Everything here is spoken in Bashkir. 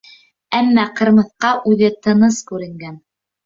Әммә Ҡырмыҫҡа үҙе тыныс күренгән.